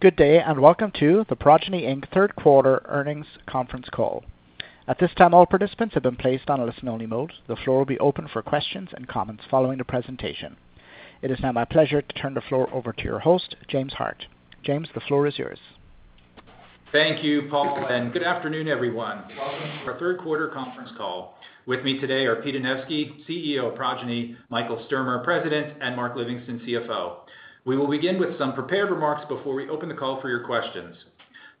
Good day and welcome to the Progyny, Inc. Third Quarter Earnings Conference Call. At this time, all participants have been placed on a listen-only mode. The floor will be open for questions and comments following the presentation. It is now my pleasure to turn the floor over to your host, James Hart. James, the floor is yours. Thank you, Paul, and good afternoon, everyone. Welcome to our Third Quarter Conference Call. With me today are Pete Anevski, CEO of Progyny; Michael Sturmer, President; and Mark Livingston, CFO. We will begin with some prepared remarks before we open the call for your questions.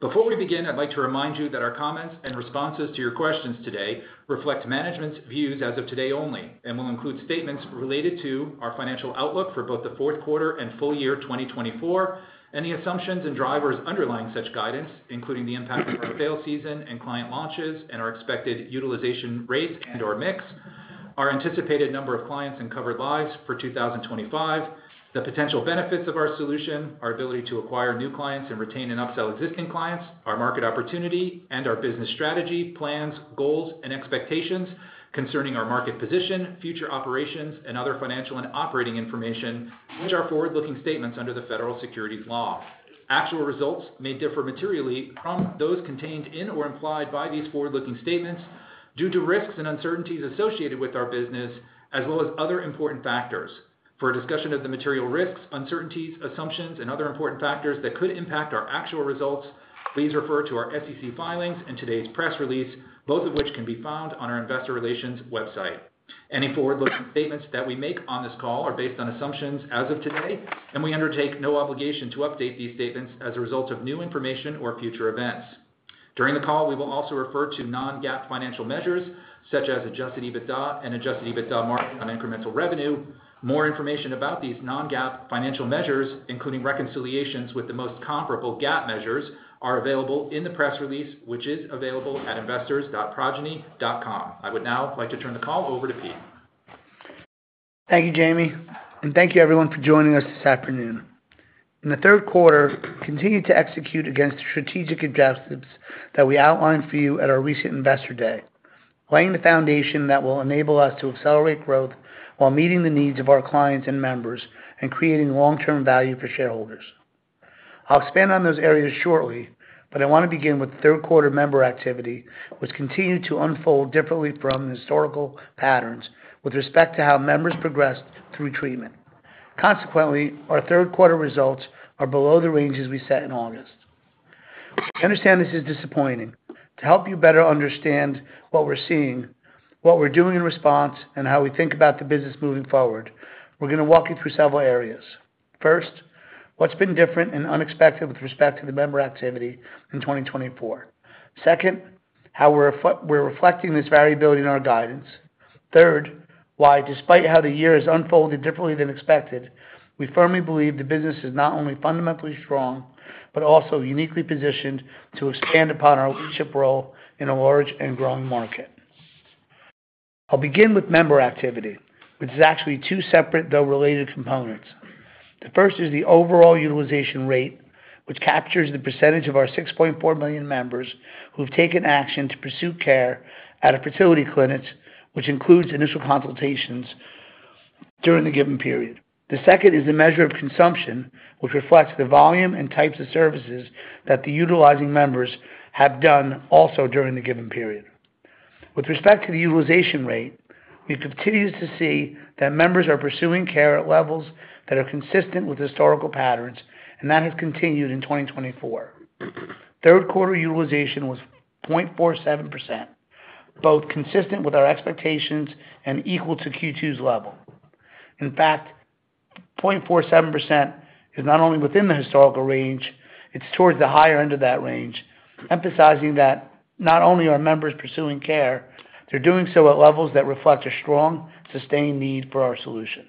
Before we begin, I'd like to remind you that our comments and responses to your questions today reflect management's views as of today only and will include statements related to our financial outlook for both the fourth quarter and full year 2024, any assumptions and drivers underlying such guidance, including the impact of our sales season and client launches, and our expected utilization rate and/or mix, our anticipated number of clients and covered lives for 2025, the potential benefits of our solution, our ability to acquire new clients and retain and upsell existing clients, our market opportunity, and our business strategy, plans, goals, and expectations concerning our market position, future operations, and other financial and operating information, which are forward-looking statements under the federal securities law. Actual results may differ materially from those contained in or implied by these forward-looking statements due to risks and uncertainties associated with our business, as well as other important factors. For a discussion of the material risks, uncertainties, assumptions, and other important factors that could impact our actual results, please refer to our SEC filings and today's press release, both of which can be found on our Investor Relations website. Any forward-looking statements that we make on this call are based on assumptions as of today, and we undertake no obligation to update these statements as a result of new information or future events. During the call, we will also refer to non-GAAP financial measures such as Adjusted EBITDA and Adjusted EBITDA margin on incremental revenue. More information about these non-GAAP financial measures, including reconciliations with the most comparable GAAP measures, are available in the press release, which is available at investors.progyny.com. I would now like to turn the call over to Pete. Thank you, Jamie, and thank you, everyone, for joining us this afternoon. In the third quarter, continue to execute against the strategic objectives that we outlined for you at our recent investor day, laying the foundation that will enable us to accelerate growth while meeting the needs of our clients and members and creating long-term value for shareholders. I'll expand on those areas shortly, but I want to begin with third quarter member activity, which continued to unfold differently from historical patterns with respect to how members progressed through treatment. Consequently, our third quarter results are below the ranges we set in August. I understand this is disappointing. To help you better understand what we're seeing, what we're doing in response, and how we think about the business moving forward, we're going to walk you through several areas. First, what's been different and unexpected with respect to the member activity in 2024. Second, how we're reflecting this variability in our guidance. Third, why, despite how the year has unfolded differently than expected, we firmly believe the business is not only fundamentally strong but also uniquely positioned to expand upon our leadership role in a large and growing market. I'll begin with member activity, which is actually two separate though related components. The first is the overall utilization rate, which captures the percentage of our 6.4 million members who've taken action to pursue care at a fertility clinic, which includes initial consultations during the given period. The second is the measure of consumption, which reflects the volume and types of services that the utilizing members have done also during the given period. With respect to the utilization rate, we continue to see that members are pursuing care at levels that are consistent with historical patterns, and that has continued in 2024. Third quarter utilization was 0.47%, both consistent with our expectations and equal to Q2's level. In fact, 0.47% is not only within the historical range. It's towards the higher end of that range, emphasizing that not only are members pursuing care, they're doing so at levels that reflect a strong, sustained need for our solution.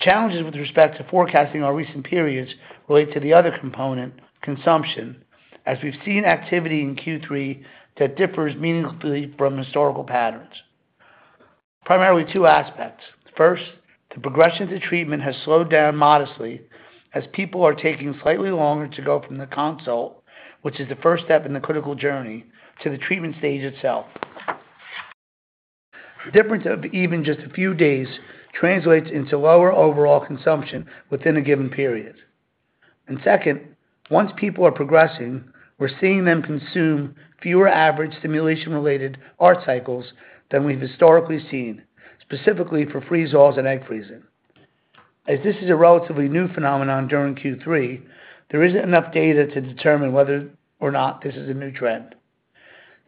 Challenges with respect to forecasting our recent periods relate to the other component, consumption, as we've seen activity in Q3 that differs meaningfully from historical patterns. Primarily two aspects. First, the progression to treatment has slowed down modestly as people are taking slightly longer to go from the consult, which is the first step in the critical journey, to the treatment stage itself. The difference of even just a few days translates into lower overall consumption within a given period, and second, once people are progressing, we're seeing them consume fewer average stimulation-related ART cycles than we've historically seen, specifically for freeze-alls and egg freezing. As this is a relatively new phenomenon during Q3, there isn't enough data to determine whether or not this is a new trend.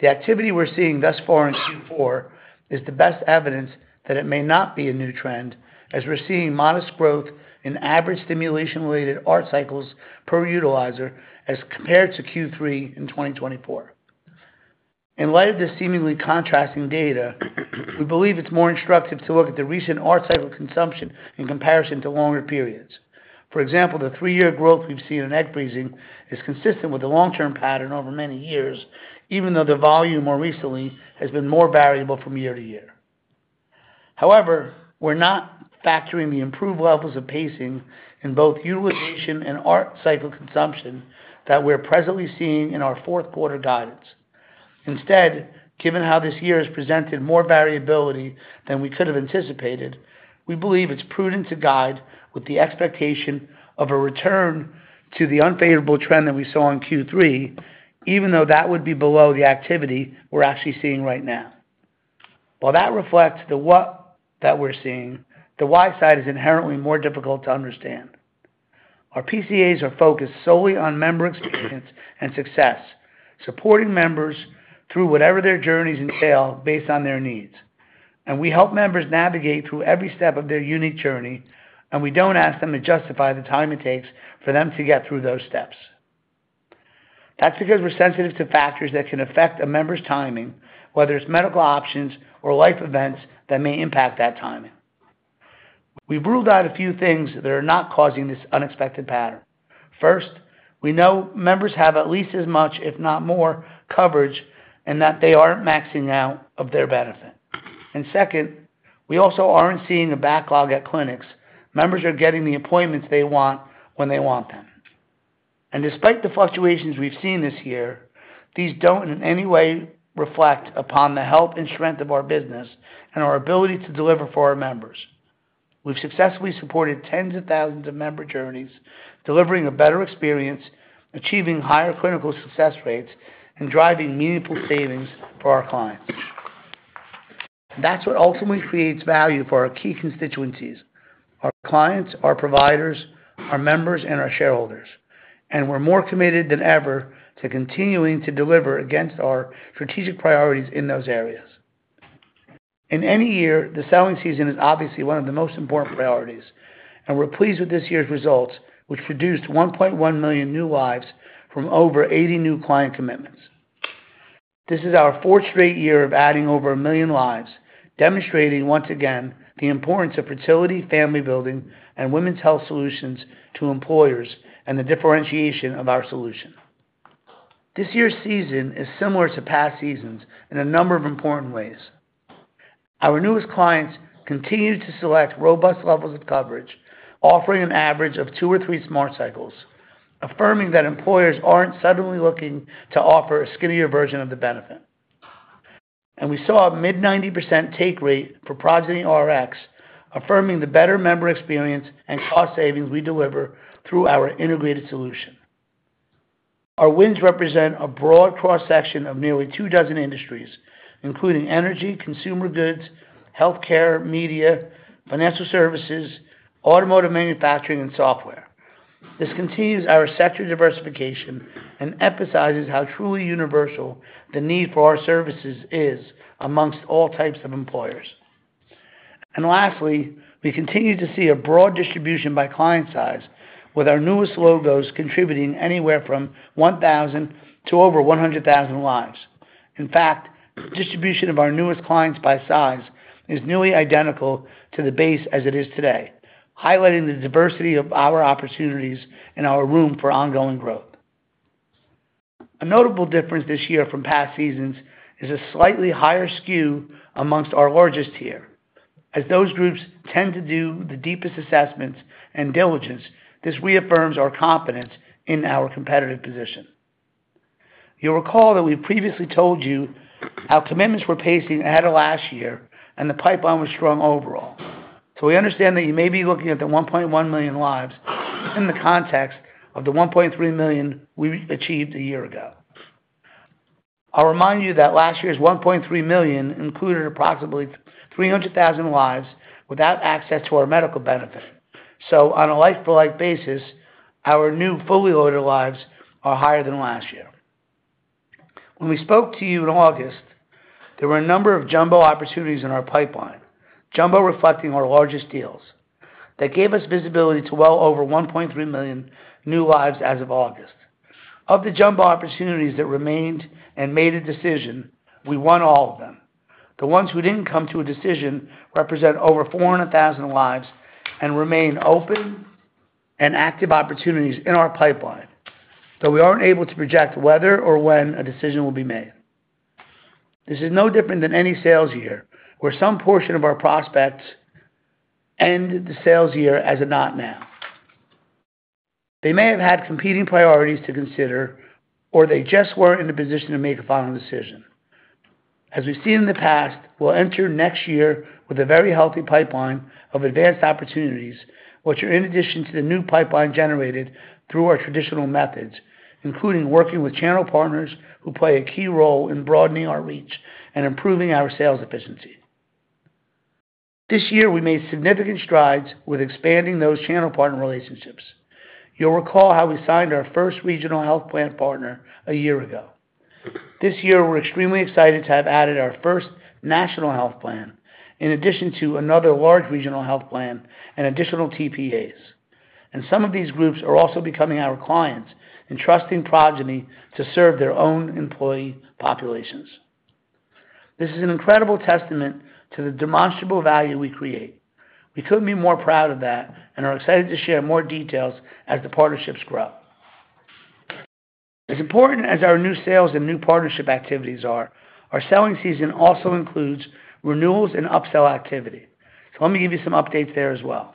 The activity we're seeing thus far in Q4 is the best evidence that it may not be a new trend, as we're seeing modest growth in average stimulation-related ART cycles per utilizer as compared to Q3 in 2024. In light of this seemingly contrasting data, we believe it's more instructive to look at the recent ART cycle consumption in comparison to longer periods. For example, the three-year growth we've seen in egg freezing is consistent with a long-term pattern over many years, even though the volume more recently has been more variable from year to year. However, we're not factoring the improved levels of pacing in both utilization and ART cycle consumption that we're presently seeing in our fourth quarter guidance. Instead, given how this year has presented more variability than we could have anticipated, we believe it's prudent to guide with the expectation of a return to the unfavorable trend that we saw in Q3, even though that would be below the activity we're actually seeing right now. While that reflects the what that we're seeing, the why side is inherently more difficult to understand. Our PCAs are focused solely on member experience and success, supporting members through whatever their journeys entail based on their needs. We help members navigate through every step of their unique journey, and we don't ask them to justify the time it takes for them to get through those steps. That's because we're sensitive to factors that can affect a member's timing, whether it's medical options or life events that may impact that timing. We've ruled out a few things that are not causing this unexpected pattern. First, we know members have at least as much, if not more, coverage and that they aren't maxing out their benefit. And second, we also aren't seeing a backlog at clinics. Members are getting the appointments they want when they want them. And despite the fluctuations we've seen this year, these don't in any way reflect upon the health and strength of our business and our ability to deliver for our members. We've successfully supported tens of thousands of member journeys, delivering a better experience, achieving higher clinical success rates, and driving meaningful savings for our clients. That's what ultimately creates value for our key constituencies: our clients, our providers, our members, and our shareholders. And we're more committed than ever to continuing to deliver against our strategic priorities in those areas. In any year, the selling season is obviously one of the most important priorities, and we're pleased with this year's results, which produced 1.1 million new lives from over 80 new client commitments. This is our fourth straight year of adding over a million lives, demonstrating once again the importance of fertility, family building, and women's health solutions to employers and the differentiation of our solution. This year's season is similar to past seasons in a number of important ways. Our newest clients continue to select robust levels of coverage, offering an average of two or three Smart Cycles, affirming that employers aren't suddenly looking to offer a skinnier version of the benefit. And we saw a mid-90% take rate for Progyny Rx, affirming the better member experience and cost savings we deliver through our integrated solution. Our wins represent a broad cross-section of nearly two dozen industries, including energy, consumer goods, healthcare, media, financial services, automotive manufacturing, and software. This continues our sector diversification and emphasizes how truly universal the need for our services is among all types of employers. And lastly, we continue to see a broad distribution by client size, with our newest logos contributing anywhere from 1,000 to over 100,000 lives. In fact, the distribution of our newest clients by size is nearly identical to the base as it is today, highlighting the diversity of our opportunities and our room for ongoing growth. A notable difference this year from past seasons is a slightly higher skew amongst our largest tier, as those groups tend to do the deepest assessments and diligence. This reaffirms our confidence in our competitive position. You'll recall that we've previously told you how commitments were pacing ahead of last year and the pipeline was strong overall. So we understand that you may be looking at the 1.1 million lives in the context of the 1.3 million we achieved a year ago. I'll remind you that last year's 1.3 million included approximately 300,000 lives without access to our medical benefit. So on a life-for-life basis, our new fully loaded lives are higher than last year. When we spoke to you in August, there were a number of jumbo opportunities in our pipeline, jumbo reflecting our largest deals. That gave us visibility to well over 1.3 million new lives as of August. Of the jumbo opportunities that remained and made a decision, we won all of them. The ones who didn't come to a decision represent over 400,000 lives and remain open and active opportunities in our pipeline, though we aren't able to project whether or when a decision will be made. This is no different than any sales year where some portion of our prospects end the sales year as a not now. They may have had competing priorities to consider, or they just weren't in a position to make a final decision. As we've seen in the past, we'll enter next year with a very healthy pipeline of advanced opportunities, which are in addition to the new pipeline generated through our traditional methods, including working with channel partners who play a key role in broadening our reach and improving our sales efficiency. This year, we made significant strides with expanding those channel partner relationships. You'll recall how we signed our first regional health plan partner a year ago. This year, we're extremely excited to have added our first national health plan in addition to another large regional health plan and additional TPAs. And some of these groups are also becoming our clients and trusting Progyny to serve their own employee populations. This is an incredible testament to the demonstrable value we create. We couldn't be more proud of that and are excited to share more details as the partnerships grow. As important as our new sales and new partnership activities are, our selling season also includes renewals and upsell activity. So let me give you some updates there as well.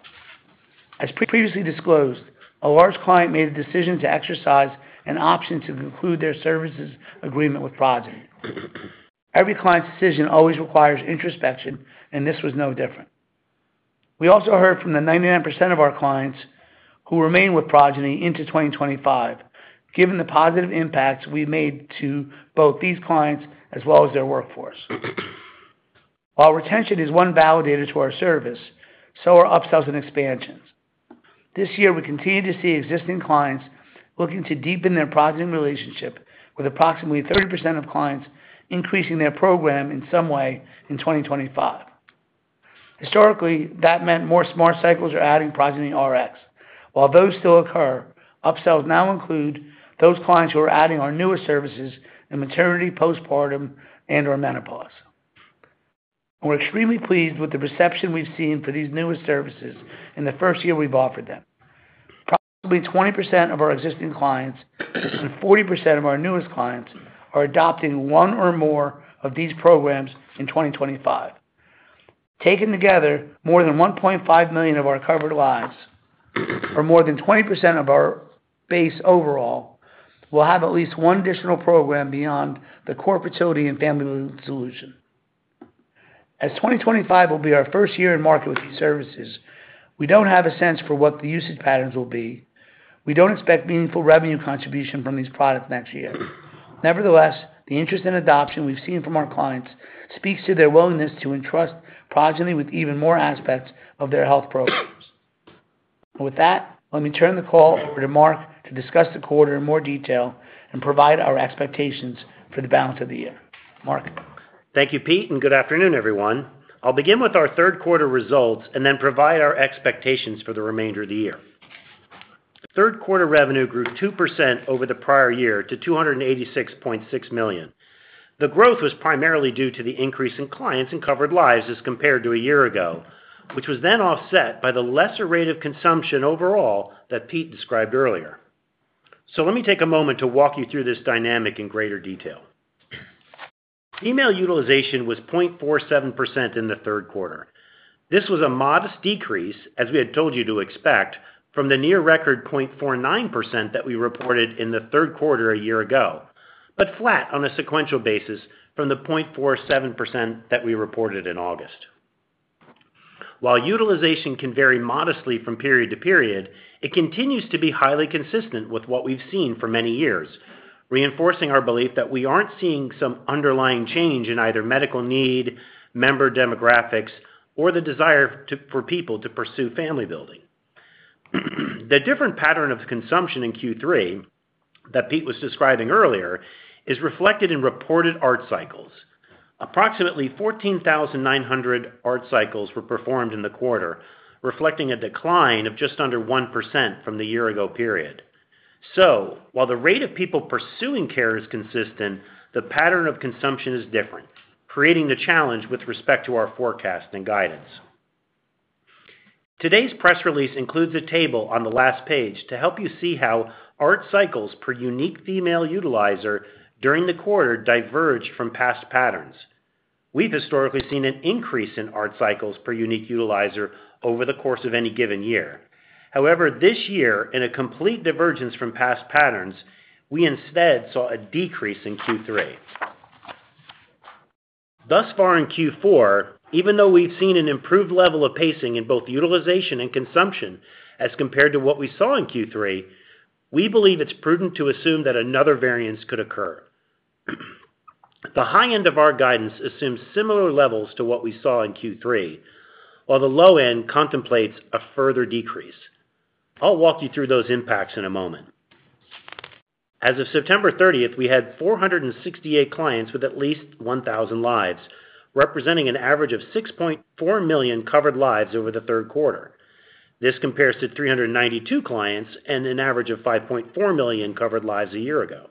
As previously disclosed, a large client made a decision to exercise an option to conclude their services agreement with Progyny. Every client's decision always requires introspection, and this was no different. We also heard from the 99% of our clients who remain with Progyny into 2025, given the positive impacts we've made to both these clients as well as their workforce. While retention is one validator to our service, so are upsells and expansions. This year, we continue to see existing clients looking to deepen their Progyny relationship with approximately 30% of clients increasing their program in some way in 2025. Historically, that meant more Smart Cycles or adding Progyny Rx. While those still occur, upsells now include those clients who are adding our newest services in maternity, postpartum, and/or menopause. We're extremely pleased with the reception we've seen for these newest services in the first year we've offered them. Approximately 20% of our existing clients and 40% of our newest clients are adopting one or more of these programs in 2025. Taken together, more than 1.5 million of our covered lives, or more than 20% of our base overall, will have at least one additional program beyond the core fertility and family solution. As 2025 will be our first year in market with these services, we don't have a sense for what the usage patterns will be. We don't expect meaningful revenue contribution from these products next year. Nevertheless, the interest in adoption we've seen from our clients speaks to their willingness to entrust Progyny with even more aspects of their health programs. With that, let me turn the call over to Mark to discuss the quarter in more detail and provide our expectations for the balance of the year. Mark. Thank you, Pete, and good afternoon, everyone. I'll begin with our third quarter results and then provide our expectations for the remainder of the year. Third quarter revenue grew 2% over the prior year to $286.6 million. The growth was primarily due to the increase in clients and covered lives as compared to a year ago, which was then offset by the lesser rate of consumption overall that Pete described earlier, so let me take a moment to walk you through this dynamic in greater detail. Utilization was 0.47% in the third quarter. This was a modest decrease, as we had told you to expect, from the near record 0.49% that we reported in the third quarter a year ago, but flat on a sequential basis from the 0.47% that we reported in August. While utilization can vary modestly from period to period, it continues to be highly consistent with what we've seen for many years, reinforcing our belief that we aren't seeing some underlying change in either medical need, member demographics, or the desire for people to pursue family building. The different pattern of consumption in Q3 that Pete was describing earlier is reflected in reported ART cycles. Approximately 14,900 ART cycles were performed in the quarter, reflecting a decline of just under 1% from the year-ago period. So while the rate of people pursuing care is consistent, the pattern of consumption is different, creating the challenge with respect to our forecast and guidance. Today's press release includes a table on the last page to help you see how ART cycles per unique female utilizer during the quarter diverged from past patterns. We've historically seen an increase in ART cycles per unique utilizer over the course of any given year. However, this year, in a complete divergence from past patterns, we instead saw a decrease in Q3. Thus far in Q4, even though we've seen an improved level of pacing in both utilization and consumption as compared to what we saw in Q3, we believe it's prudent to assume that another variance could occur. The high end of our guidance assumes similar levels to what we saw in Q3, while the low end contemplates a further decrease. I'll walk you through those impacts in a moment. As of September 30th, we had 468 clients with at least 1,000 lives, representing an average of 6.4 million covered lives over the third quarter. This compares to 392 clients and an average of 5.4 million covered lives a year ago.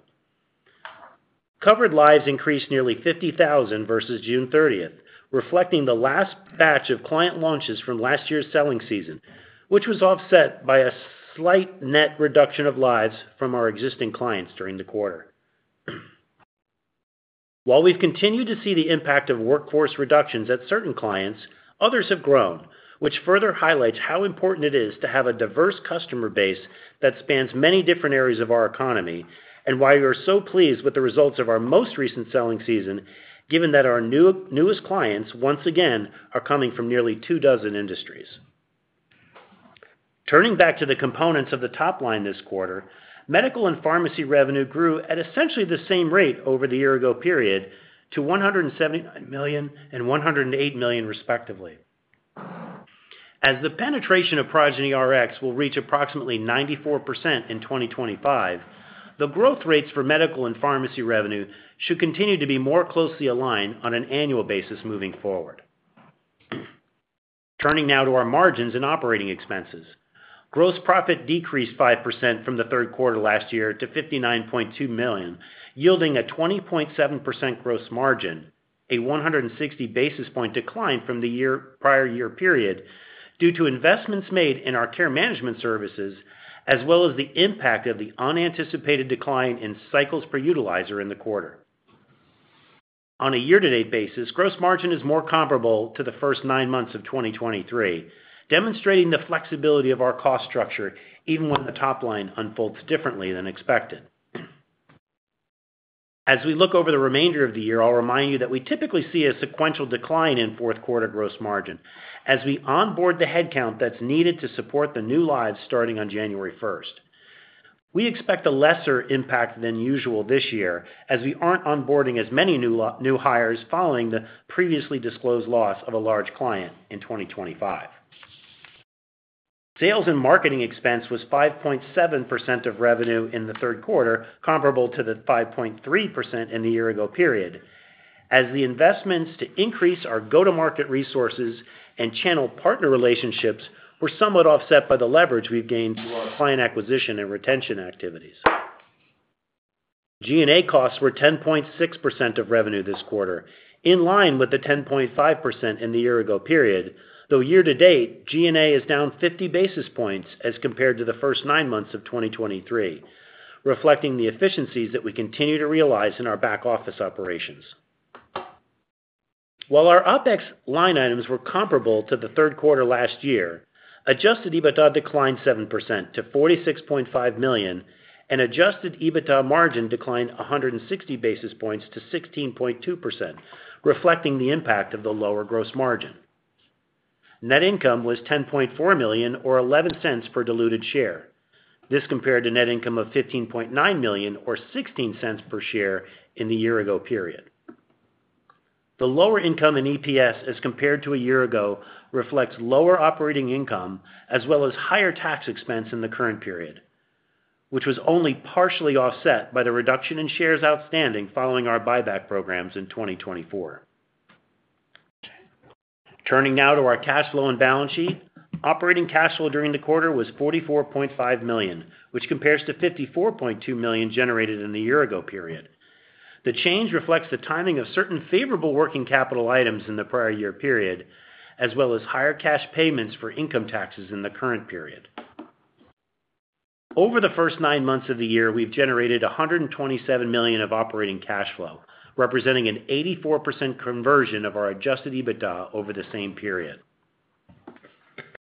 Covered lives increased nearly 50,000 versus June 30th, reflecting the last batch of client launches from last year's selling season, which was offset by a slight net reduction of lives from our existing clients during the quarter. While we've continued to see the impact of workforce reductions at certain clients, others have grown, which further highlights how important it is to have a diverse customer base that spans many different areas of our economy and why we are so pleased with the results of our most recent selling season, given that our newest clients, once again, are coming from nearly two dozen industries. Turning back to the components of the top line this quarter, medical and pharmacy revenue grew at essentially the same rate over the year-ago period to $179 million and $108 million, respectively. As the penetration of Progyny Rx will reach approximately 94% in 2025, the growth rates for medical and pharmacy revenue should continue to be more closely aligned on an annual basis moving forward. Turning now to our margins and operating expenses. Gross profit decreased 5% from the third quarter last year to $59.2 million, yielding a 20.7% gross margin, a 160 basis point decline from the prior year period due to investments made in our care management services, as well as the impact of the unanticipated decline in cycles per utilizer in the quarter. On a year-to-date basis, gross margin is more comparable to the first nine months of 2023, demonstrating the flexibility of our cost structure even when the top line unfolds differently than expected. As we look over the remainder of the year, I'll remind you that we typically see a sequential decline in fourth quarter gross margin as we onboard the headcount that's needed to support the new lives starting on January 1st. We expect a lesser impact than usual this year as we aren't onboarding as many new hires following the previously disclosed loss of a large client in 2025. Sales and marketing expense was 5.7% of revenue in the third quarter, comparable to the 5.3% in the year-ago period, as the investments to increase our go-to-market resources and channel partner relationships were somewhat offset by the leverage we've gained through our client acquisition and retention activities. G&A costs were 10.6% of revenue this quarter, in line with the 10.5% in the year-ago period, though year-to-date, G&A is down 50 basis points as compared to the first nine months of 2023, reflecting the efficiencies that we continue to realize in our back office operations. While our OpEx line items were comparable to the third quarter last year, adjusted EBITDA declined 7% to $46.5 million, and adjusted EBITDA margin declined 160 basis points to 16.2%, reflecting the impact of the lower gross margin. Net income was $10.4 million, or $0.11 per diluted share. This compared to net income of $15.9 million, or $0.16 per share in the year-ago period. The lower income in EPS as compared to a year ago reflects lower operating income as well as higher tax expense in the current period, which was only partially offset by the reduction in shares outstanding following our buyback programs in 2024. Turning now to our cash flow and balance sheet, operating cash flow during the quarter was $44.5 million, which compares to $54.2 million generated in the year-ago period. The change reflects the timing of certain favorable working capital items in the prior year period, as well as higher cash payments for income taxes in the current period. Over the first nine months of the year, we've generated $127 million of operating cash flow, representing an 84% conversion of our Adjusted EBITDA over the same period.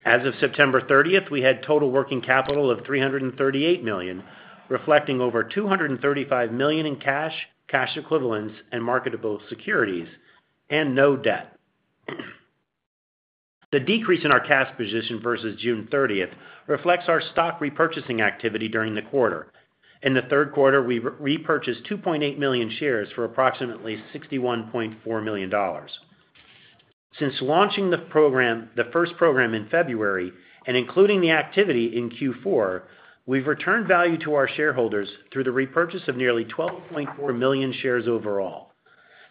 As of September 30th, we had total working capital of $338 million, reflecting over $235 million in cash, cash equivalents, and marketable securities, and no debt. The decrease in our cash position versus June 30th reflects our stock repurchasing activity during the quarter. In the third quarter, we repurchased 2.8 million shares for approximately $61.4 million. Since launching the first program in February and including the activity in Q4, we've returned value to our shareholders through the repurchase of nearly $12.4 million shares overall.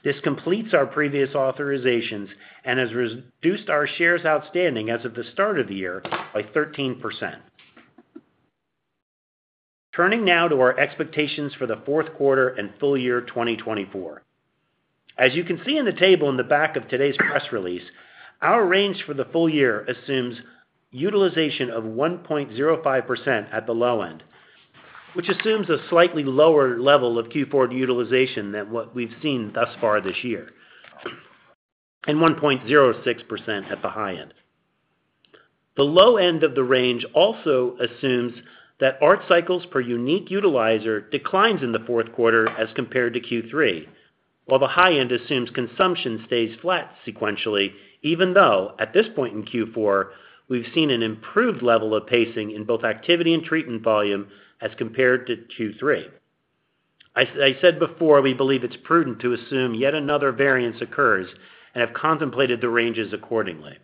This completes our previous authorizations and has reduced our shares outstanding as of the start of the year by 13%. Turning now to our expectations for the fourth quarter and full year 2024. As you can see in the table in the back of today's press release, our range for the full year assumes utilization of 1.05% at the low end, which assumes a slightly lower level of Q4 utilization than what we've seen thus far this year, and 1.06% at the high end. The low end of the range also assumes that ART cycles per unique utilizer declines in the fourth quarter as compared to Q3, while the high end assumes consumption stays flat sequentially, even though at this point in Q4, we've seen an improved level of pacing in both activity and treatment volume as compared to Q3. As I said before, we believe it's prudent to assume yet another variance occurs and have contemplated the ranges accordingly.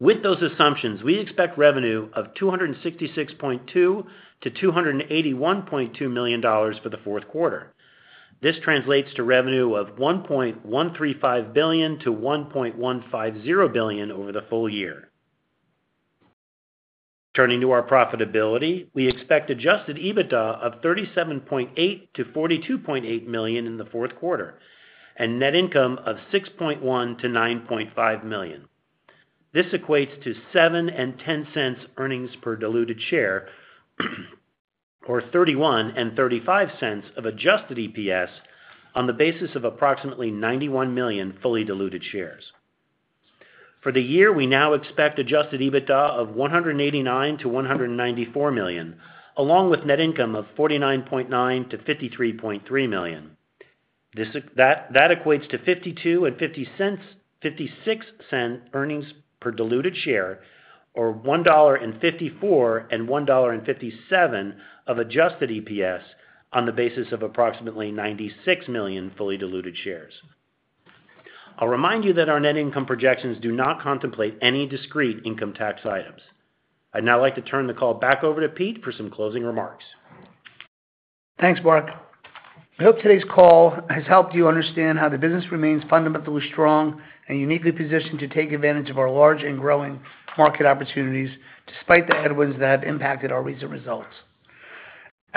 With those assumptions, we expect revenue of $266.2 million-$281.2 million for the fourth quarter. This translates to revenue of $1.135 billion-$1.150 billion over the full year. Turning to our profitability, we expect Adjusted EBITDA of $37.8 million-$42.8 million in the fourth quarter and net income of $6.1 million-$9.5 million. This equates to $0.07 and $0.10 earnings per diluted share, or $0.31 and $0.35 of Adjusted EPS on the basis of approximately 91 million fully diluted shares. For the year, we now expect Adjusted EBITDA of $189 million-$194 million, along with net income of $49.9 million-$53.3 million. That equates to $0.52 and $0.56 earnings per diluted share, or $1.54 and $1.57 of Adjusted EPS on the basis of approximately 96 million fully diluted shares. I'll remind you that our net income projections do not contemplate any discrete income tax items. I'd now like to turn the call back over to Pete for some closing remarks. Thanks, Mark. I hope today's call has helped you understand how the business remains fundamentally strong and uniquely positioned to take advantage of our large and growing market opportunities despite the headwinds that have impacted our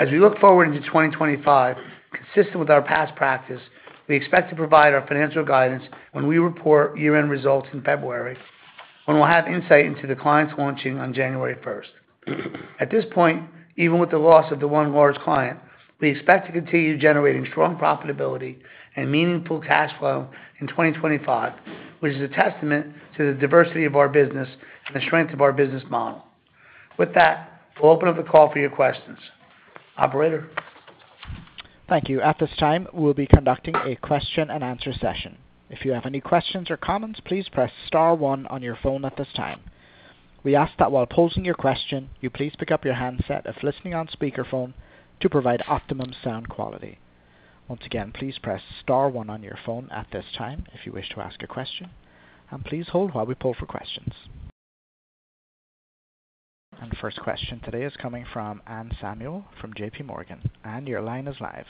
recent results. As we look forward into 2025, consistent with our past practice, we expect to provide our financial guidance when we report year-end results in February and will have insight into the clients launching on January 1st. At this point, even with the loss of the one large client, we expect to continue generating strong profitability and meaningful cash flow in 2025, which is a testament to the diversity of our business and the strength of our business model. With that, we'll open up the call for your questions. Operator. Thank you. At this time, we'll be conducting a question-and-answer session. If you have any questions or comments, please press star one on your phone at this time. We ask that while posing your question, you please pick up your handset if listening on speakerphone to provide optimum sound quality. Once again, please press star one on your phone at this time if you wish to ask a question, and please hold while we pull for questions. And the first question today is coming from Anne Samuel from JPMorgan, and your line is live.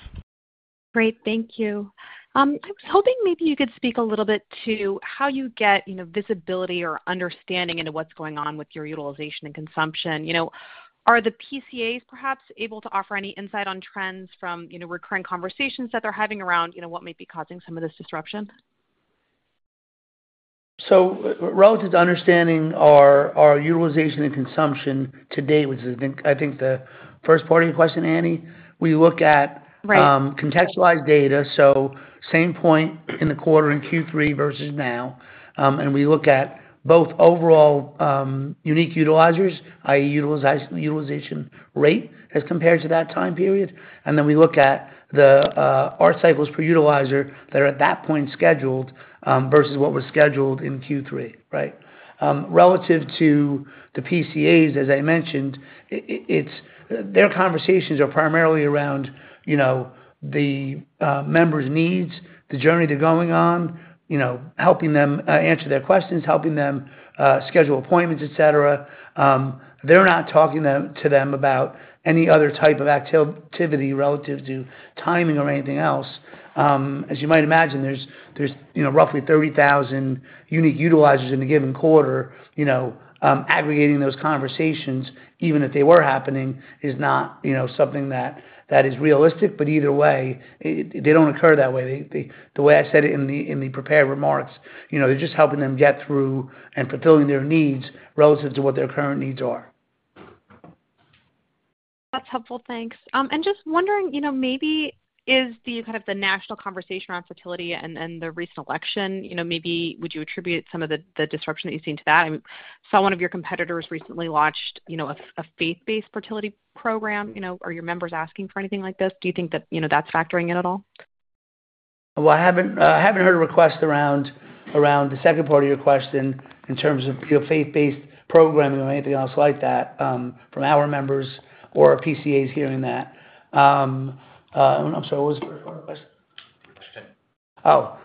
Great. Thank you. I was hoping maybe you could speak a little bit to how you get visibility or understanding into what's going on with your utilization and consumption. Are the PCAs perhaps able to offer any insight on trends from recurring conversations that they're having around what might be causing some of this disruption? So relative to understanding our utilization and consumption today, which is, I think, the first part of your question, Annie, we look at contextualized data. So same point in the quarter in Q3 versus now, and we look at both overall unique utilizers, i.e., utilization rate as compared to that time period, and then we look at the ART cycles per utilizer that are at that point scheduled versus what was scheduled in Q3, right? Relative to the PCAs, as I mentioned, their conversations are primarily around the members' needs, the journey they're going on, helping them answer their questions, helping them schedule appointments, etc. They're not talking to them about any other type of activity relative to timing or anything else. As you might imagine, there's roughly 30,000 unique utilizers in a given quarter. Aggregating those conversations, even if they were happening, is not something that is realistic, but either way, they don't occur that way. The way I said it in the prepared remarks, they're just helping them get through and fulfilling their needs relative towhat their current needs are. That's helpful. Thanks. And just wondering, maybe is the kind of the national conversation around fertility and the recent election, maybe would you attribute some of the disruption that you've seen to that? I saw one of your competitors recently launched a faith-based fertility program. Are your members asking for anything like this? Do you think that that's factoring in at all? Well, I haven't heard a request around the second part of your question in terms of faith-based programming or anything else like that from our members or PCAs hearing that. I'm sorry. What was the first part of the question? Oh.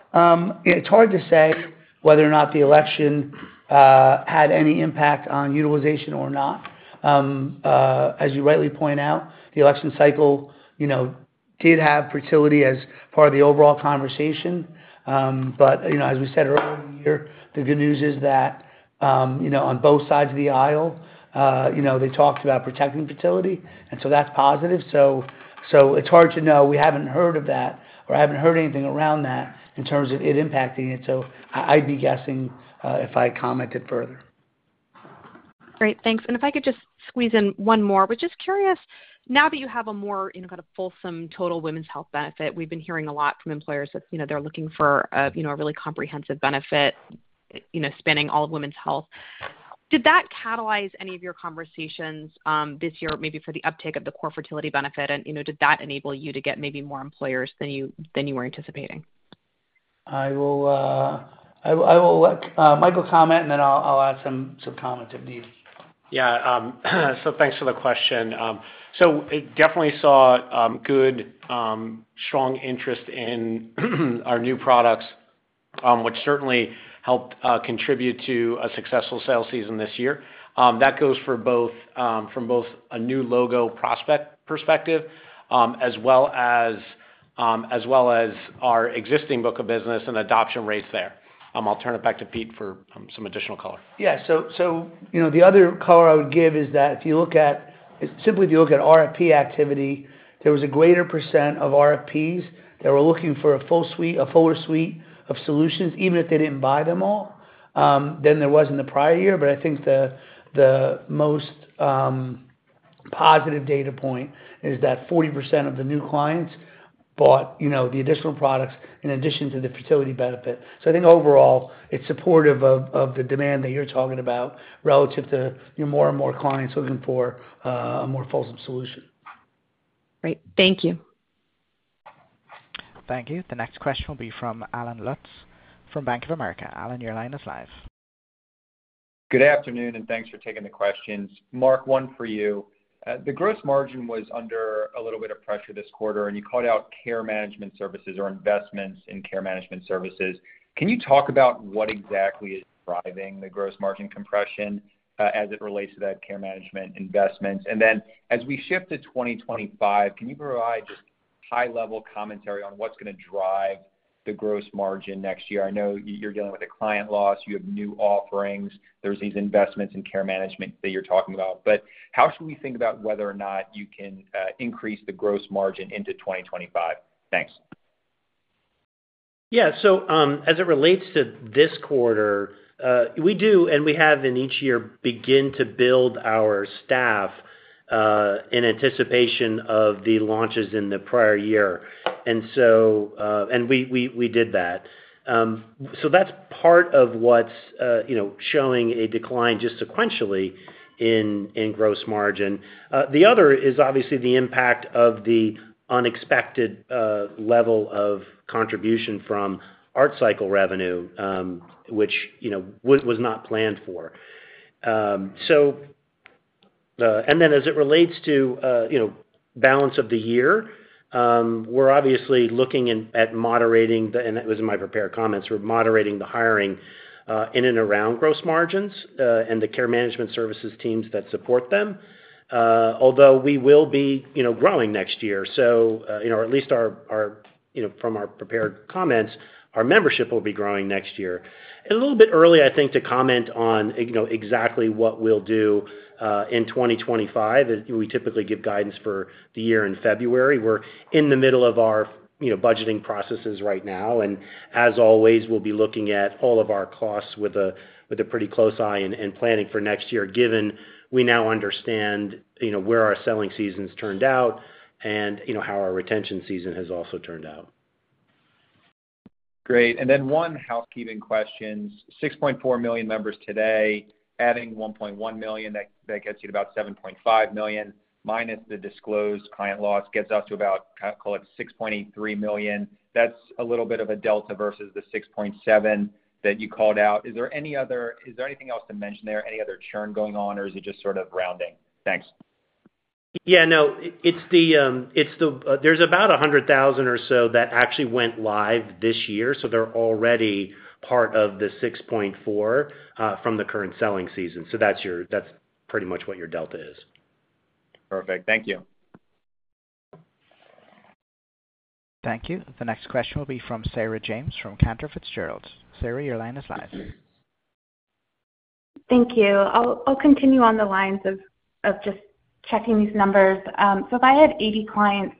It's hard to say whether or not the election had any impact on utilization or not. As you rightly point out, the election cycle did have fertility as part of the overall conversation, but as we said earlier in the year, the good news is that on both sides of the aisle, they talked about protecting fertility, and so that's positive. So it's hard to know. We haven't heard of that or haven't heard anything around that in terms of it impacting it, so I'd be guessing if I commented further. Great. Thanks. And if I could just squeeze in one more, I was just curious, now that you have a more kind of fulsome total women's health benefit, we've been hearing a lot from employers that they're looking for a really comprehensive benefit spanning all of women's health. Did that catalyze any of your conversations this year, maybe for the uptake of the core fertility benefit, and did that enable you to get maybe more employers than you were anticipating? I will let Michael comment, and then I'll add some comments if needed. Yeah. So thanks for the question. So definitely saw good, strong interest in our new products, which certainly helped contribute to a successful sales season this year. That goes from both a new logo prospect perspective as well as our existing book of business and adoption rates there. I'll turn it back to Pete for some additional color. Yeah. So the other color I would give is that if you look at RFP activity, there was a greater percent of RFPs that were looking for a fuller suite of solutions, even if they didn't buy them all, than there was in the prior year. But I think the most positive data point is that 40% of the new clients bought the additional products in addition to the fertility benefit. So I think overall, it's supportive of the demand that you're talking about relative to more and more clients looking for a more fulsome solution. Great. Thank you. Thank you. The next question will be from Allen Lutz from Bank of America. Allen, your line is live. Good afternoon, and thanks for taking the questions. Mark, one for you. The gross margin was under a little bit of pressure this quarter, and you called out care management services or investments in care management services. Can you talk about what exactly is driving the gross margin compression as it relates to that care management investment? And then as we shift to 2025, can you provide just high-level commentary on what's going to drive the gross margin next year? I know you're dealing with a client loss. You have new offerings. There's these investments in care management that you're talking about. But how should we think about whether or not you can increase the gross margin into 2025? Thanks. Yeah. As it relates to this quarter, we do, and we have in each year begin to build our staff in anticipation of the launches in the prior year. We did that. That's part of what's showing a decline just sequentially in gross margin. The other is obviously the impact of the unexpected level of contribution from ART cycle revenue, which was not planned for. As it relates to the balance of the year, we're obviously looking at moderating the, and that was in my prepared comments, we're moderating the hiring in and around gross margins and the care management services teams that support them, although we will be growing next year. At least from our prepared comments, our membership will be growing next year. A little bit early, I think, to comment on exactly what we'll do in 2025. We typically give guidance for the year in February. We're in the middle of our budgeting processes right now, and as always, we'll be looking at all of our costs with a pretty close eye and planning for next year, given we now understand where our selling season's turned out and how our retention season has also turned out. Great. And then one housekeeping question. 6.4 million members today, adding 1.1 million, that gets you to about 7.5 million. Minus the disclosed client loss, it gets us to about, call it 6.83 million. That's a little bit of a delta versus the 6.7 that you called out. Is there any other - is there anything else to mention there? Any other churn going on, or is it just sort of rounding? Thanks. Yeah. No. There's about 100,000 or so that actually went live this year, so they're already part of the 6.4 from the current selling season. So that's pretty much what your delta is. Perfect. Thank you. Thank you. The next question will be from Sarah James from Cantor Fitzgerald. Sarah, your line is live. Thank you. I'll continue on the lines of just checking these numbers. So if I had 80 clients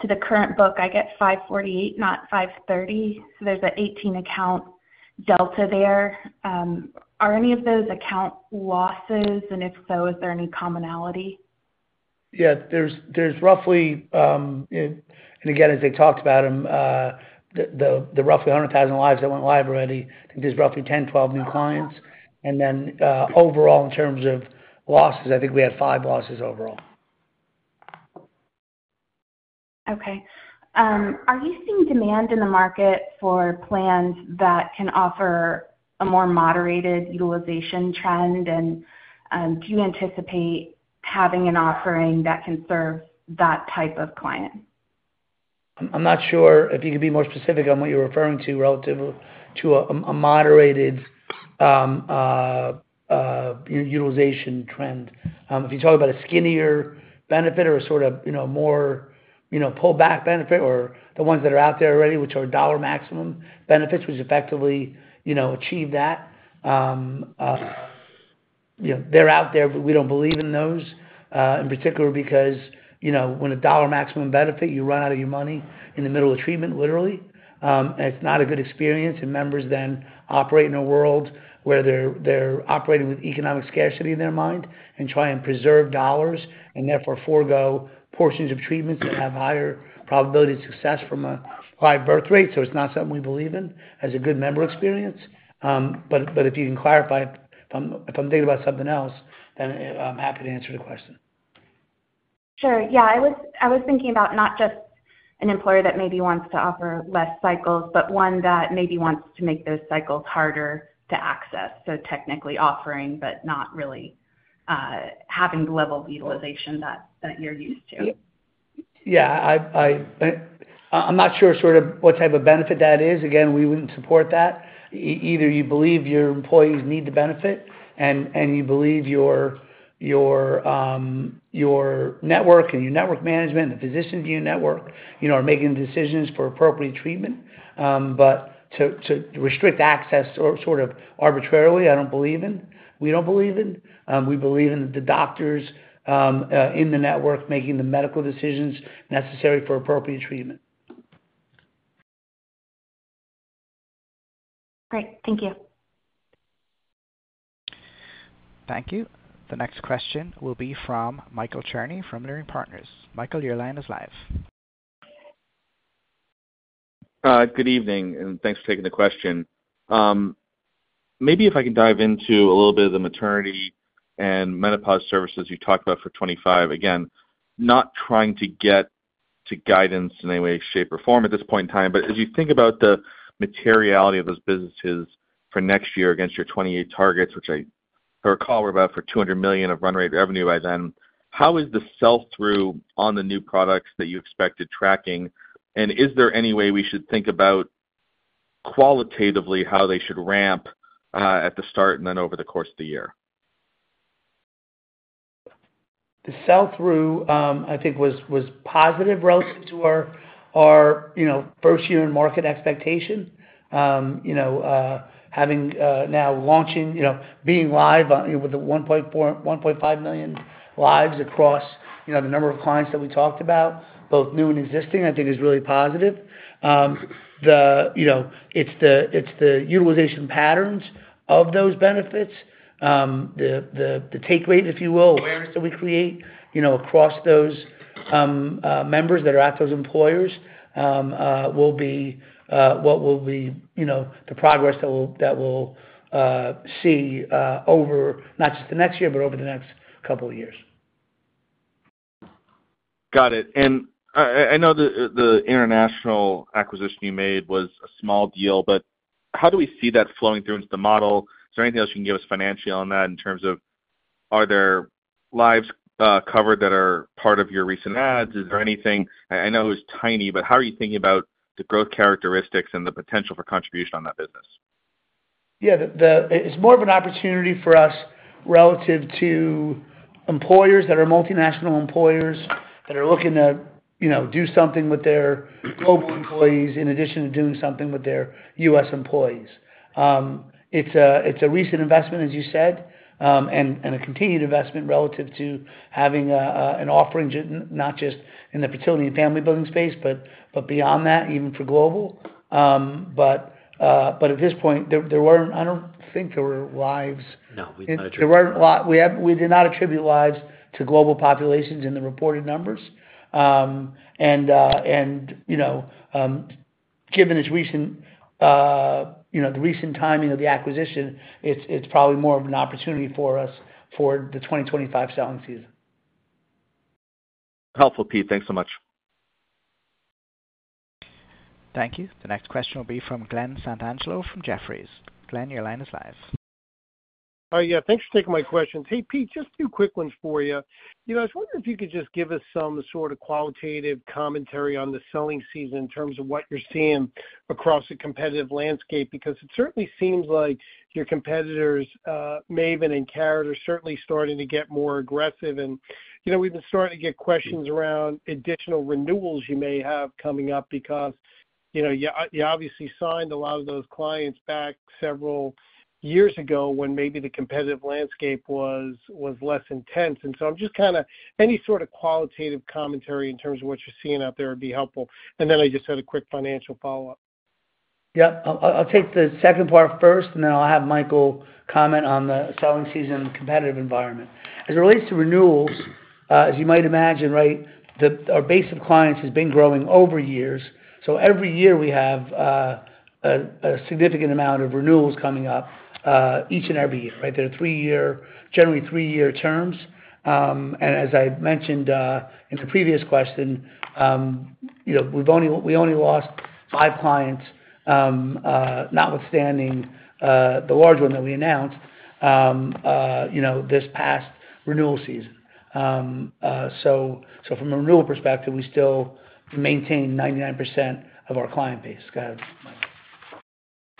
to the current book, I get 548, not 530. So there's an 18-account delta there. Are any of those account losses? And if so, is there any commonality? Yeah. There's roughly, and again, as I talked about them, the roughly 100,000 lives that went live already. I think there's roughly 10, 12 new clients. And then overall, in terms of losses, I think we had five losses overall. Okay. Are you seeing demand in the market for plans that can offer a more moderated utilization trend, and do you anticipate having an offering that can serve that type of client? I'm not sure if you could be more specific on what you're referring to relative to a moderated utilization trend. If you talk about a skinnier benefit or a sort of more pullback benefit or the ones that are out there already, which are dollar maximum benefits, which effectively achieve that, they're out there, but we don't believe in those, in particular, because when a dollar maximum benefit, you run out of your money in the middle of treatment, literally, and it's not a good experience. And members then operate in a world where they're operating with economic scarcity in their mind and try and preserve dollars and therefore forego portions of treatments that have higher probability of success from a high birth rate. So it's not something we believe in as a good member experience. But if you can clarify, if I'm thinking about something else, then I'm happy to answer the question. Sure. Yeah. I was thinking about not just an employer that maybe wants to offer less cycles, but one that maybe wants to make those cycles harder to access. So technically offering, but not really having the level of utilization that you're used to? Yeah. I'm not sure sort of what type of benefit that is. Again, we wouldn't support that. Either you believe your employees need the benefit, and you believe your network and your network management, the physicians in your network are making decisions for appropriate treatment. But to restrict access sort of arbitrarily, I don't believe in. We don't believe in. We believe in the doctors in the network making the medical decisions necessary for appropriate treatment. Great. Thank you. Thank you. The next question will be from Michael Cherny from Leerink Partners. Michael, your line is live. Good evening, and thanks for taking the question. Maybe if I can dive into a little bit of the maternity and menopause services you talked about for 2025. Again, not trying to get to guidance in any way, shape, or form at this point in time, but as you think about the materiality of those businesses for next year against your 2028 targets, which I recall were about $200 million of run rate revenue by then, how is the sell-through on the new products that you expected tracking? And is there any way we should think about qualitatively how they should ramp at the start and then over the course of the year? The sell-through, I think, was positive relative to our first year in market expectation. Having now launching, being live with the 1.5 million lives across the number of clients that we talked about, both new and existing, I think is really positive. It's the utilization patterns of those benefits, the take rate, if you will, that we create across those members that are at those employers will be what will be the progress that we'll see over not just the next year, but over the next couple of years. Got it. And I know the international acquisition you made was a small deal, but how do we see that flowing through into the model? Is there anything else you can give us financially on that in terms of, are there lives covered that are part of your recent adds? Is there anything? I know it was tiny, but how are you thinking about the growth characteristics and the potential for contribution on that business? Yeah. It's more of an opportunity for us relative to employers that are multinational employers that are looking to do something with their global employees in addition to doing something with their U.S. employees. It's a recent investment, as you said, and a continued investment relative to having an offering not just in the fertility and family-building space, but beyond that, even for global. But at this point, I don't think there were lives. No, we did not attribute lives to global populations in the reported numbers. And given the recent timing of the acquisition, it's probably more of an opportunity for us for the 2025 selling season. Helpful, Pete. Thanks so much. Thank you. The next question will be from Glen Santangelo from Jefferies. Glen, your line is live. Hi. Yeah. Thanks for taking my questions. Hey, Pete, just two quick ones for you. I was wondering if you could just give us some sort of qualitative commentary on the selling season in terms of what you're seeing across the competitive landscape, because it certainly seems like your competitors, Maven and Carrot, are certainly starting to get more aggressive, and we've been starting to get questions around additional renewals you may have coming up because you obviously signed a lot of those clients back several years ago when maybe the competitive landscape was less intense. So I'm just kind of any sort of qualitative commentary in terms of what you're seeing out there would be helpful. Then I just had a quick financial follow-up. Yeah. I'll take the second part first, and then I'll have Michael comment on the selling season competitive environment. As it relates to renewals, as you might imagine, right, our base of clients has been growing over years. So every year, we have a significant amount of renewals coming up each and every year, right? They're generally three-year terms. And as I mentioned in the previous question, we only lost five clients, notwithstanding the large one that we announced this past renewal season. So from a renewal perspective, we still maintain 99% of our client base. Go ahead, Michael.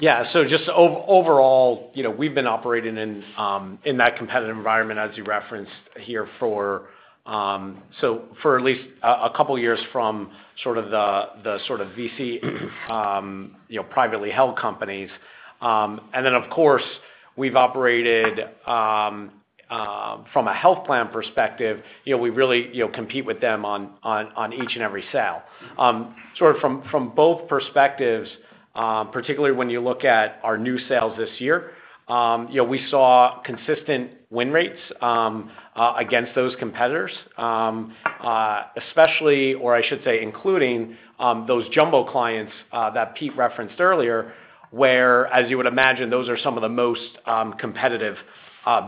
Yeah. So just overall, we've been operating in that competitive environment, as you referenced here, for at least a couple of years from sort of the VC privately held companies. And then, of course, we've operated from a health plan perspective. We really compete with them on each and every sale. Sort of from both perspectives, particularly when you look at our new sales this year, we saw consistent win rates against those competitors, especially, or I should say including those jumbo clients that Pete referenced earlier, where, as you would imagine, those are some of the most competitive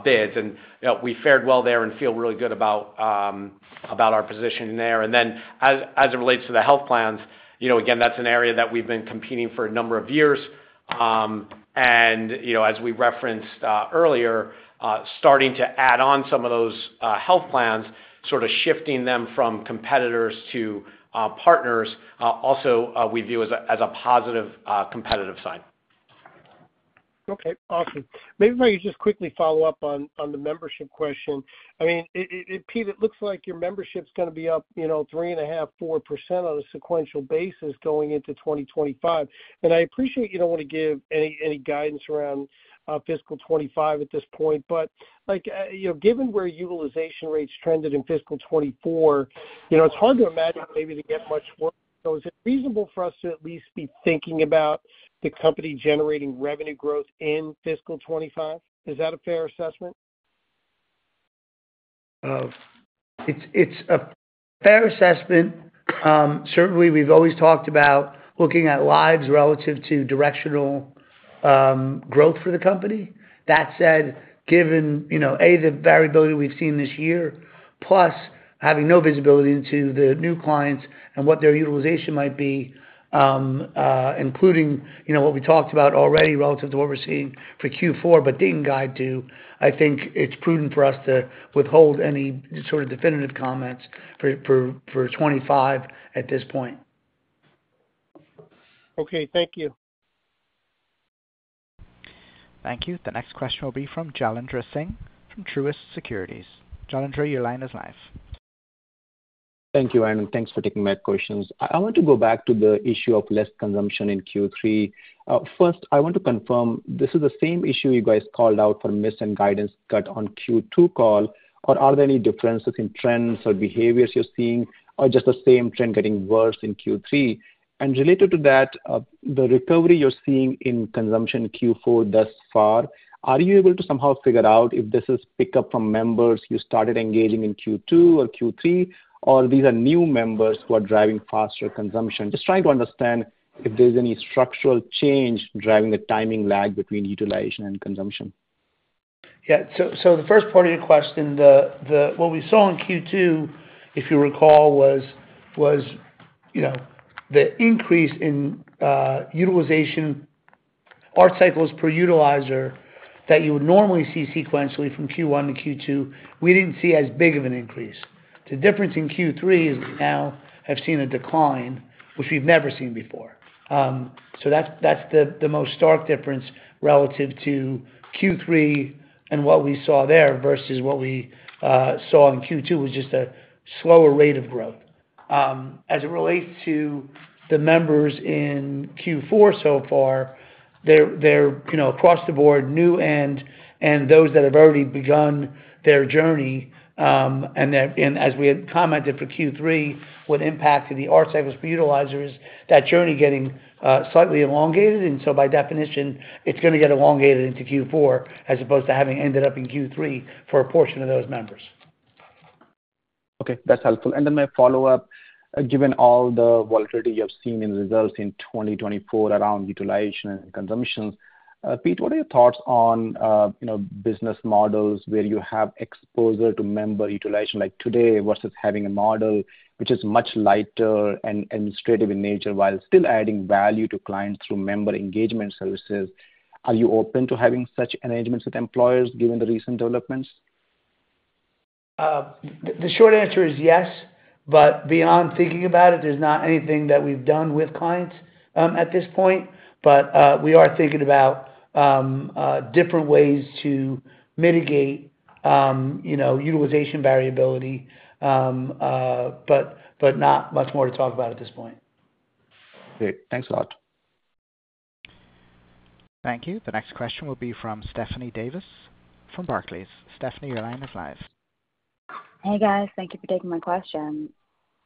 bids. And we fared well there and feel really good about our position there. And then as it relates to the health plans, again, that's an area that we've been competing for a number of years. And as we referenced earlier, starting to add on some of those health plans, sort of shifting them from competitors to partners, also we view as a positive competitive sign. Okay. Awesome. Maybe if I could just quickly follow up on the membership question. I mean, Pete, it looks like your membership's going to be up 3.5%-4% on a sequential basis going into 2025. I appreciate you don't want to give any guidance around fiscal 2025 at this point, but given where utilization rates trended in fiscal 2024, it's hard to imagine maybe they get much worse. So is it reasonable for us to at least be thinking about the company generating revenue growth in fiscal 2025? Is that a fair assessment? It's a fair assessment. Certainly, we've always talked about looking at lives relative to directional growth for the company. That said, given A, the variability we've seen this year, plus having no visibility into the new clients and what their utilization might be, including what we talked about already relative to what we're seeing for Q4, but didn't guide to, I think it's prudent for us to withhold any sort of definitive comments for 2025 at this point. Okay. Thank you. Thank you. The next question will be from Jailendra Singh from Truist Securities. Jailendra, your line is live. Thank you, Jamie. Thanks for taking my questions. I want to go back to the issue of less consumption in Q3. First, I want to confirm this is the same issue you guys called out for miss and guidance cut on Q2 call, or are there any differences in trends or behaviors you're seeing, or just the same trend getting worse in Q3? And related to that, the recovery you're seeing in consumption Q4 thus far, are you able to somehow figure out if this is pickup from members you started engaging in Q2 or Q3, or these are new members who are driving faster consumption? Just trying to understand if there's any structural change driving the timing lag between utilization and consumption. Yeah. So the first part of your question, what we saw in Q2, if you recall, was the increase in utilization or cycles per utilizer that you would normally see sequentially from Q1 to Q2. We didn't see as big of an increase. The difference in Q3 is we now have seen a decline, which we've never seen before. So that's the most stark difference relative to Q3 and what we saw there versus what we saw in Q2, which is just a slower rate of growth. As it relates to the members in Q4 so far, they're across the board new and those that have already begun their journey. And as we had commented for Q3, what impacted the utilization or cycles per utilizer is that journey getting slightly elongated. And so by definition, it's going to get elongated into Q4 as opposed to having ended up in Q3 for a portion of those members. Okay. That's helpful. And then my follow-up, given all the volatility you have seen in results in 2024 around utilization and consumption, Pete, what are your thoughts on business models where you have exposure to member utilization like today versus having a model which is much lighter and administrative in nature while still adding value to clients through member engagement services? Are you open to having such arrangements with employers given the recent developments? The short answer is yes, but beyond thinking about it, there's not anything that we've done with clients at this point. But we are thinking about different ways to mitigate utilization variability, but not much more to talk about at this point. Great. Thanks a lot. Thank you. The next question will be from Stephanie Davis from Barclays. Stephanie, your line is live. Hey, guys. Thank you for taking my question.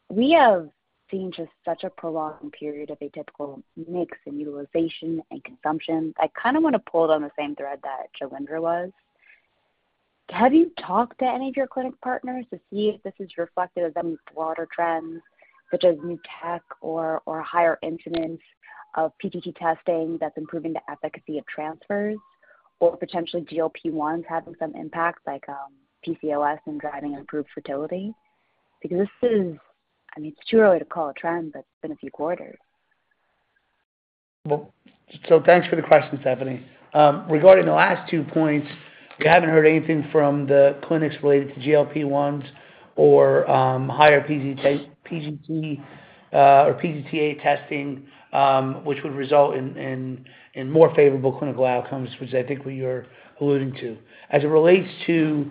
We have seen just such a prolonged period of atypical mix in utilization and consumption. I kind of want to pull on the same thread that Jailendra was. Have you talked to any of your clinic partners to see if this is reflected as any broader trends, such as new tech or higher incidence of PGT testing that's improving the efficacy of transfers or potentially GLP-1s having some impact, like PCOS and driving improved fertility? Because this is, I mean, it's too early to call a trend, but it's been a few quarters. Well, so thanks for the question, Stephanie. Regarding the last two points, we haven't heard anything from the clinics related to GLP-1s or higher PGT or PGT-A testing, which would result in more favorable clinical outcomes, which I think you're alluding to. As it relates to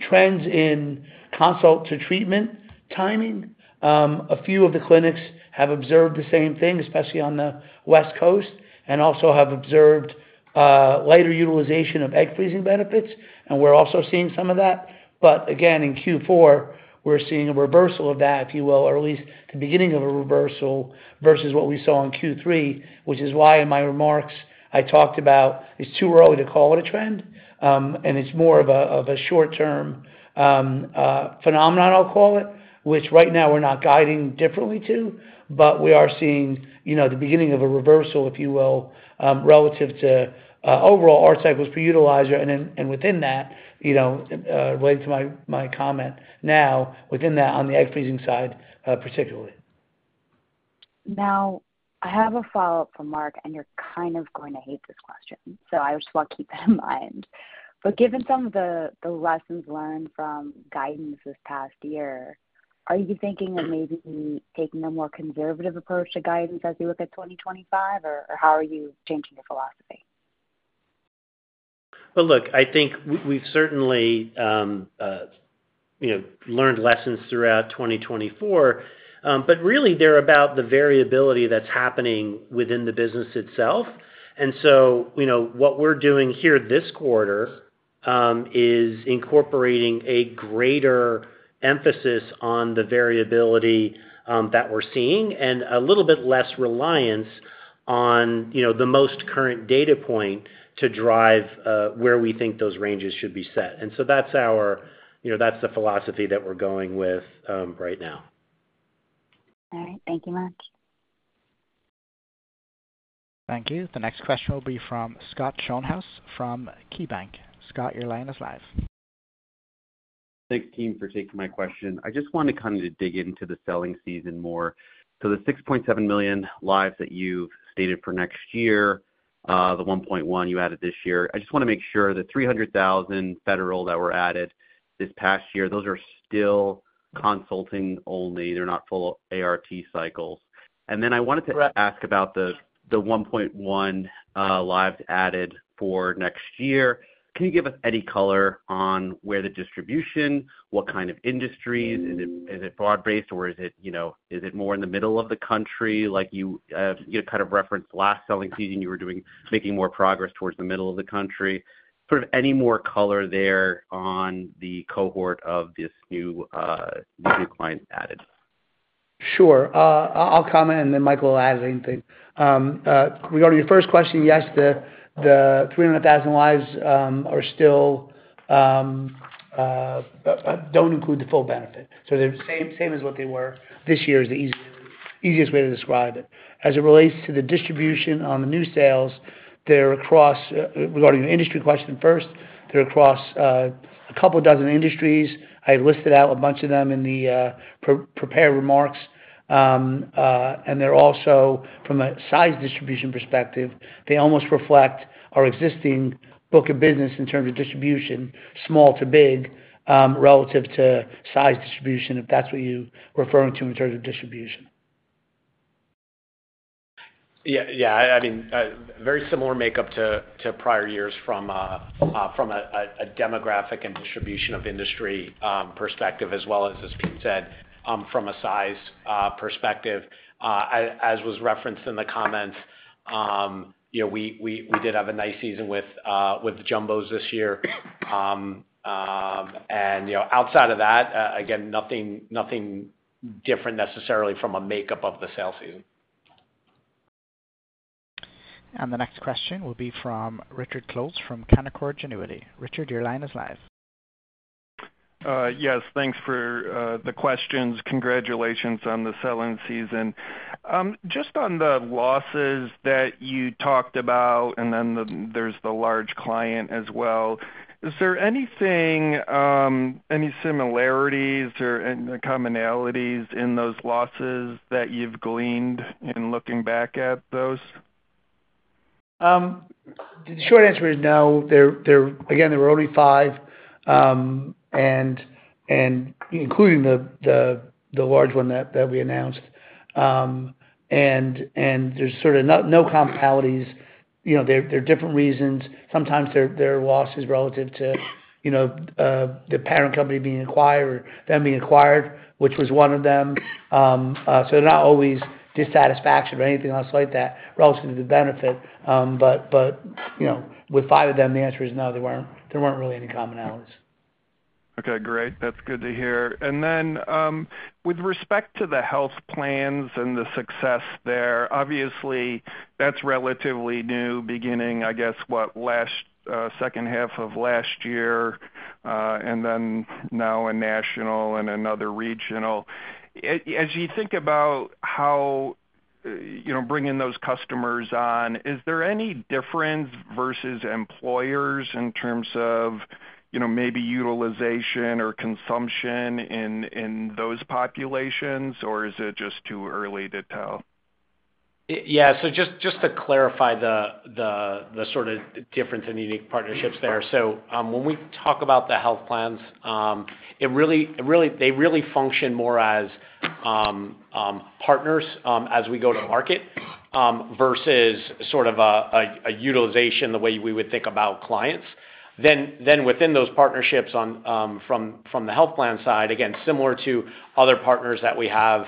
trends in consult-to-treatment timing, a few of the clinics have observed the same thing, especially on the West Coast, and also have observed lighter utilization of egg freezing benefits, and we're also seeing some of that. But again, in Q4, we're seeing a reversal of that, if you will, or at least the beginning of a reversal versus what we saw in Q3, which is why in my remarks I talked about it's too early to call it a trend, and it's more of a short-term phenomenon, I'll call it, which right now we're not guiding differently to, but we are seeing the beginning of a reversal, if you will, relative to overall or cycles per utilizer, and within that, related to my comment now, within that on the egg freezing side particularly. Now, I have a follow-up from Mark, and you're kind of going to hate this question, so I just want to keep that in mind. But given some of the lessons learned from guidance this past year, are you thinking of maybe taking a more conservative approach to guidance as you look at 2025, or how are you changing your philosophy? Well, look, I think we've certainly learned lessons throughout 2024, but really, they're about the variability that's happening within the business itself. And so what we're doing here this quarter is incorporating a greater emphasis on the variability that we're seeing and a little bit less reliance on the most current data point to drive where we think those ranges should be set. And so that's the philosophy that we're going with right now. All right. Thank you much. Thank you. The next question will be from Scott Schoenhaus from KeyBanc. Scott, your line is live. Thanks, team, for taking my question. I just wanted kind of to dig into the selling season more. So the 6.7 million lives that you've stated for next year, the 1.1 you added this year, I just want to make sure the 300,000 federal that were added this past year, those are still consulting only. They're not full ART cycles. And then I wanted to ask about the 1.1 lives added for next year. Can you give us any color on where the distribution, what kind of industries? Is it broad-based, or is it more in the middle of the country? Like you kind of referenced last selling season, you were making more progress towards the middle of the country. Sort of any more color there on the cohort of these new clients added? Sure. I'll comment, and then Michael will add anything. Regarding your first question, yes, the 300,000 lives are still don't include the full benefit. So they're the same as what they were this year, is the easiest way to describe it. As it relates to the distribution on the new sales, they're across, regarding your industry question first, they're across a couple of dozen industries. I listed out a bunch of them in the prepared remarks. And they're also, from a size distribution perspective, they almost reflect our existing book of business in terms of distribution, small to big relative to size distribution, if that's what you're referring to in terms of distribution. Yeah. I mean, very similar makeup to prior years from a demographic and distribution of industry perspective, as well as, as Pete said, from a size perspective. As was referenced in the comments, we did have a nice season with the jumbos this year. And outside of that, again, nothing different necessarily from a makeup of the sale season. And the next question will be from Richard Close from Canaccord Genuity. Richard, your line is live. Yes. Thanks for the questions. Congratulations on the selling season. Just on the losses that you talked about, and then there's the large client as well, is there anything, any similarities or commonalities in those losses that you've gleaned in looking back at those? The short answer is no. Again, there were only five, including the large one that we announced. And there's sort of no commonalities. There are different reasons. Sometimes there are losses relative to the parent company being acquired or them being acquired, which was one of them. So not always dissatisfaction or anything else like that relative to the benefit. But with five of them, the answer is no, there weren't really any commonalities. Okay. Great. That's good to hear. And then with respect to the health plans and the success there, obviously, that's relatively new, beginning, I guess, what, second half of last year, and then now a national and another regional. As you think about how bringing those customers on, is there any difference versus employers in terms of maybe utilization or consumption in those populations, or is it just too early to tell? Yeah. So just to clarify the sort of difference in unique partnerships there. So when we talk about the health plans, they really function more as partners as we go to market versus sort of a utilization the way we would think about clients. Then within those partnerships from the health plan side, again, similar to other partners that we have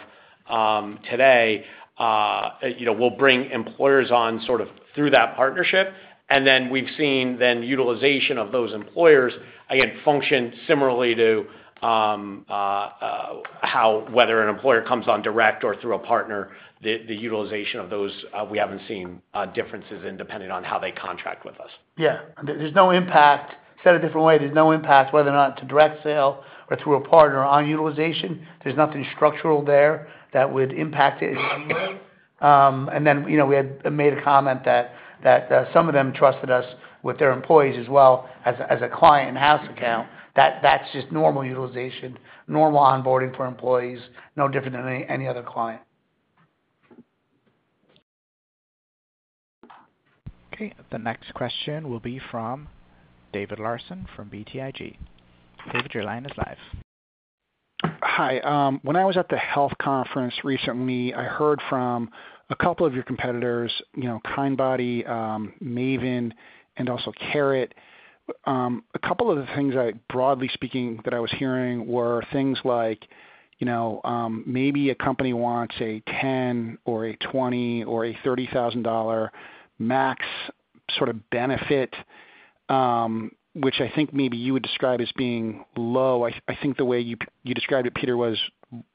today, we'll bring employers on sort of through that partnership. And then we've seen the utilization of those employers again function similarly to whether an employer comes on direct or through a partner. The utilization of those, we haven't seen differences in depending on how they contract with us. Yeah. In a different way, there's no impact whether or not it's a direct sale or through a partner on utilization. There's nothing structural there that would impact it in any way. And then we had made a comment that some of them trusted us with their employees as well as a client in-house account. That's just normal utilization, normal onboarding for employees, no different than any other client. Okay. The next question will be from David Larsen from BTIG. David, your line is live. Hi. When I was at the health conference recently, I heard from a couple of your competitors, Kindbody, Maven, and also Carrot. A couple of the things, broadly speaking, that I was hearing were things like maybe a company wants a $10,000 or a $20,000 or a $30,000 max sort of benefit, which I think maybe you would describe as being low. I think the way you described it, Peter, was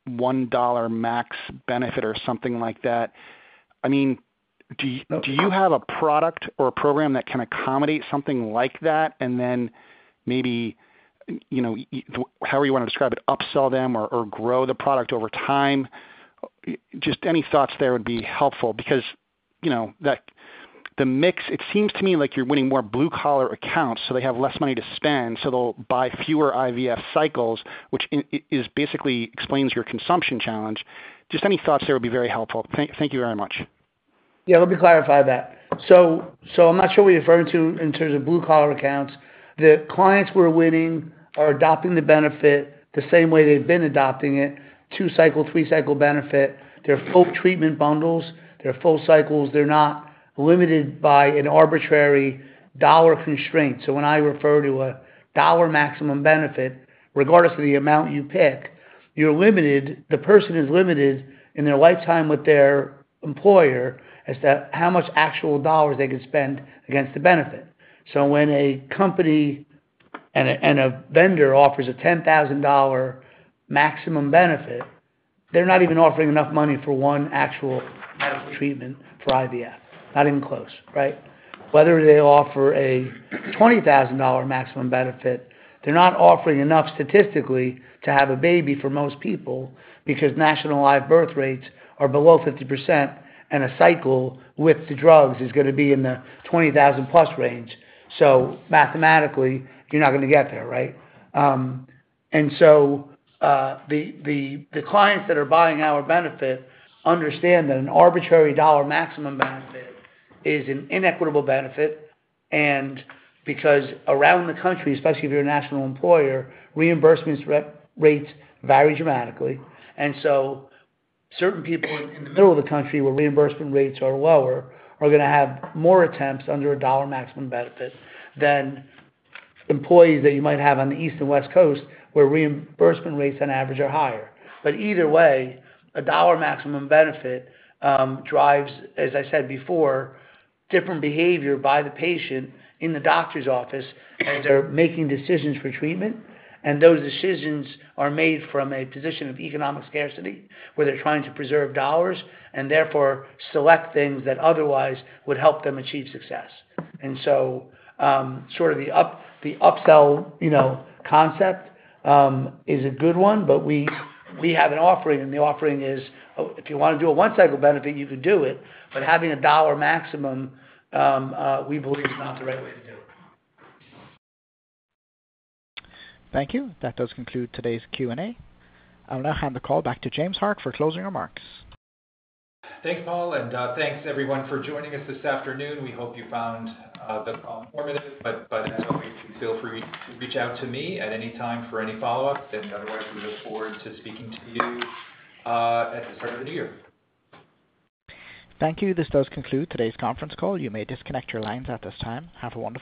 $10,000 max benefit or something like that. I mean, do you have a product or a program that can accommodate something like that? And then maybe however you want to describe it, upsell them or grow the product over time? Just any thoughts there would be helpful because the mix, it seems to me like you're winning more blue-collar accounts, so they have less money to spend, so they'll buy fewer IVF cycles, which basically explains your consumption challenge. Just any thoughts there would be very helpful. Thank you very much. Yeah. Let me clarify that. So I'm not sure what you're referring to in terms of blue-collar accounts. The clients we're winning are adopting the benefit the same way they've been adopting it, two-cycle, three-cycle benefit. They're full treatment bundles. They're full cycles. They're not limited by an arbitrary dollar constraint. So when I refer to a dollar maximum benefit, regardless of the amount you pick, the person is limited in their lifetime with their employer as to how much actual dollars they can spend against the benefit. So when a company and a vendor offers a $10,000 maximum benefit, they're not even offering enough money for one actual medical treatment for IVF, not even close, right? Whether they offer a $20,000 maximum benefit, they're not offering enough statistically to have a baby for most people because national live birth rates are below 50%, and a cycle with the drugs is going to be in the $20,000-plus range. So mathematically, you're not going to get there, right? And so the clients that are buying our benefit understand that an arbitrary dollar maximum benefit is an inequitable benefit. And because around the country, especially if you're a national employer, reimbursement rates vary dramatically. And so certain people in the middle of the country where reimbursement rates are lower are going to have more attempts under a dollar maximum benefit than employees that you might have on the East Coast and West Coast where reimbursement rates on average are higher. Either way, a dollar maximum benefit drives, as I said before, different behavior by the patient in the doctor's office as they're making decisions for treatment. And those decisions are made from a position of economic scarcity where they're trying to preserve dollars and therefore select things that otherwise would help them achieve success. And so sort of the upsell concept is a good one, but we have an offering, and the offering is if you want to do a one-cycle benefit, you could do it. But having a dollar maximum, we believe, is not the right way to do it. Thank you. That does conclude today's Q&A. I'm going to hand the call back to James Hart for closing remarks. Thanks, Paul. And thanks, everyone, for joining us this afternoon. We hope you found the call informative, but as always, feel free to reach out to me at any time for any follow-up. And otherwise, we look forward to speaking to you at the start of the new year. Thank you. This does conclude today's conference call. You may disconnect your lines at this time. Have a wonderful.